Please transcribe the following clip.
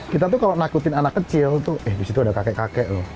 kita tuh kalau nakutin anak kecil tuh eh disitu ada kakek kakek tuh